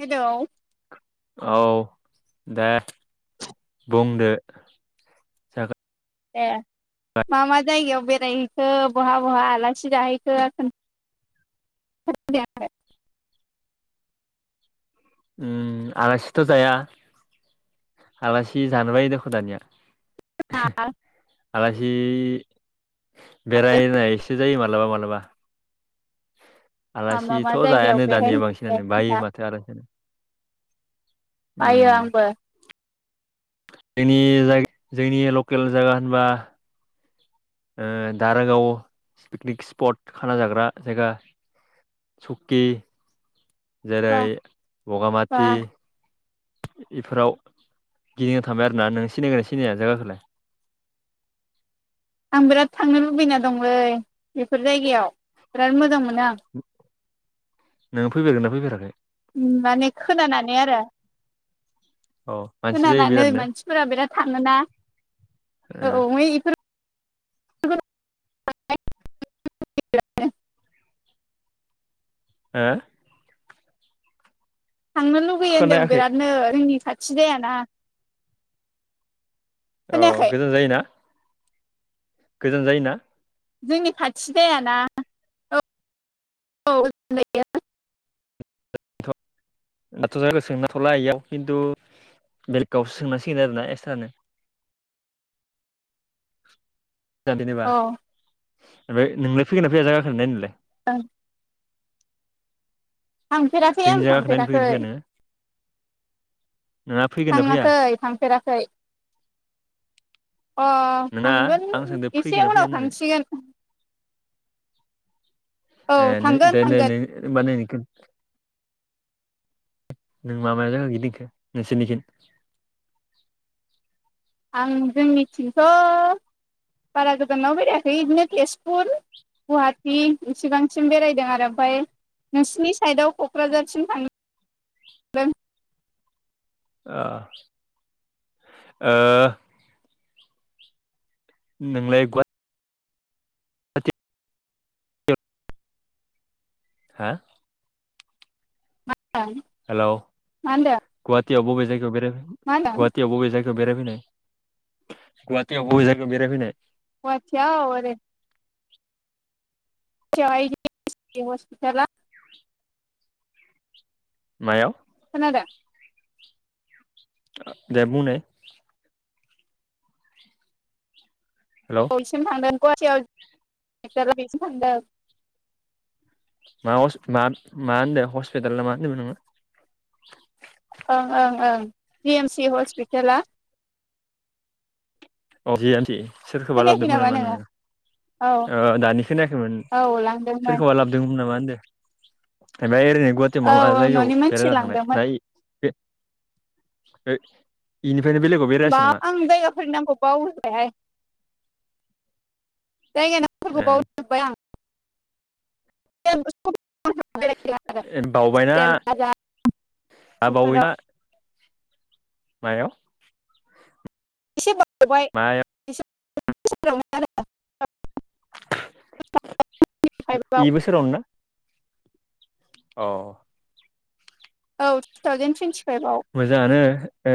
Hello औ। दे बुंदो दे मा मा जायगायाव बेरायहैखो बहा बहा आलासि जाहैखो? [unintelligible] उम आलासिथ' जाया आलासि जानो बायो दख' दानिया [inaudible] आलासि बेरायनायसो जायो माथ माब्लाबा माब्लाबा मा मा आलासिथ' मा जायगायाव जायानो दानिया बेरायहैखो बांसिनानो बायो खोन्था माथो आलासि जानो उम बायो आंबो जोंनि जा जोंनि लकेल जागा होनबा ओ दारागाव पिकनिक स्पट खाना जाग्रा जायगा सुक्कि जेरै बा बा बगामाथि बेफोराव गिदिंनो थांबाय आरोना नों सिनायगोनना सिनाया जागाखौलाय आं बिराद थांनो लुबैना दंलै बेफोर जायगायाव बिराद मोजां मोनो आं। नोङो फैफेरगोनना फैमाराखै माने खोनानानै आरो अ मानसि जायो खोनानानै बिरादनो मानसिफोरा बिराद थाङोना ओ औ इफोर [unintelligible] हो थांनो लुगैयो होनदों खोनायाखै बिरादनो रोंनि खाथि जायाना औ खोनायाखै गोजान जायोना गोजान जायोना जोंनि खाथि जायाना औ औ। दाथ' जाया सोंनाथ'ला इयाव खिन्थु बेलेगावसो सोंनांसिगोन आरोना एकस्रानो जा देनेबा ओमफ्राय नोंलाय फैगोना फैया जाखो गाखोनो दिनैलाय ओं। थांफेराखै जोंनि आं जायगाखौ नायनो फैगोन थांफेराखै ना फैया नोङो नोंहा फैगोन ना फैया थाङाखै थांफेराखै अ नोंहा थांगोन आं सोंदों फैगोन एसे ना फैया उनाव होननानै थांसिगोन। औ ए थांगोन दे दे थांगोन दे होनबा नों माबा जागा गिदोंखो नोंसोरनिखो आं जोंनिथिंथ' बारा गोजानाव बेरायाखै बिदिनो तेजपुर गुवाहाटी इसिबां सिम बेरायदों आरो ओमफाय नोंसिनि साइडाव क'क्राझारसिम थां दों आ ओ नोंलाय गुवा टि हा हेलौ [unintelligible] मा होनदों गुवाहाटियाव बबे जायगायाव बेरायफै मा होनदों गुवाहाटीआव बबे जायगा बेरायफैनाय गुवाहाटीयाव बबे जायगायाव बेरायफैनाय गवाटीयाव ओरै [unintelligible] चिटि हस्पिटालाव मायाव खोनादों दे बुंनाय हेलौ बयसिम थांदों गुवाहाटीयाव [unintelligible] लागैसिम थांदों मा हस मा मा होनदों हस्पिटाल ना मा होनदोंमोन नोङो ओं ओं ओं जिएम सि हस्पिटालाआ अ जि एन्टि सोरखौबा लाबोदोंमोन नामा नोङो औ ओ दानि खोननायाखैमोन औ लांदोंमोन सोरखौबा लाबोदोंमोन नामा दे ओमफफ्राय ओरैनो गुवाहाटियाव औ मा मा औ जायगायाव न'नि मानसि बेरायना थांनाय लांदोंमोन नाय ए इनि मा आं जायगाफोरनि नामखौ बावहोबायहाय जायगा नामफोरखौ ए बावजोबबाय आं [unintelligible] बावबायना [unintelligible] बावैना बेफोराव मायाव एसे बावबाय मायाव एसे [unintelligible] फाइभआव इ बोसोरावनो ना औ औ थुथावजेनथुइन्थि मोजाङानो ओ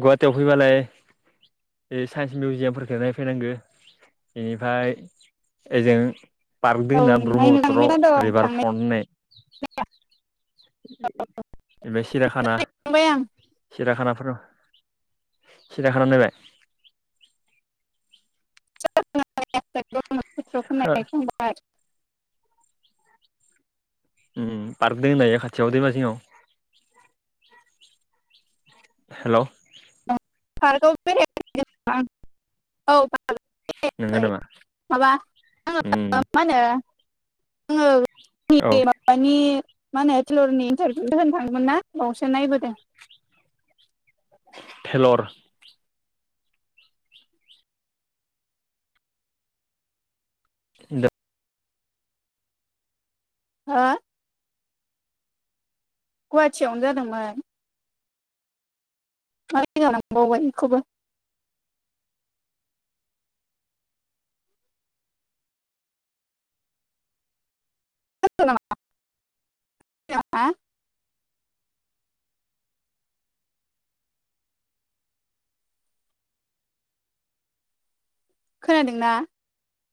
गुवाहाटियाव फैबालाय बे साइन्स मिउजियामफोरखौ नायफैनांगौ बेनिफ्राय ओइजों औ पार्ददोंना नायनो थांनो ब्रह्मपत्र मेरला दं रिभार फ्रन्ट होननाय ओमफ्राय सिरियाखाना थांनायखांबाय आं सिराखानाफोर सिराखाना नायबाय [unintelligible] उम पारदों एउ खाथियावदों दैमा जिंआव हेलौ पार्कआव औ नंगौ [unintelligible] नामा माबा आंङो मा उम मा होनो आङो औ [unintelligible] माबानि मा होनो टेलरिनि इन्टारभिउ होनो थांदोंमोन ना बावसो नायबोदों थेलर दा हो गुवाहाटियानो जादोंमोन [unintelligible] बावबाय एखौबो [unintelligible] नामा हा खोनादोंना?